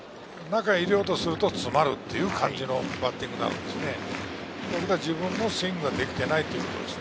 中に入れようとすると詰まるという感じのバッティングになっているんです。